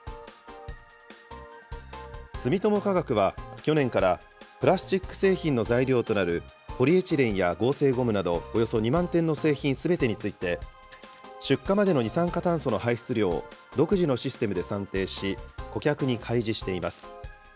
住友化学は、去年からプラスチック製品の材料となるポリエチレンや合成ゴムなど、およそ２万点の製品すべてについて、出荷までの二酸化炭素の排出量を独自のシステムで算定し、顧客に開示しています。